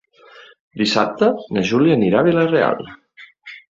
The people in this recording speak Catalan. Dissabte na Júlia anirà a Vila-real.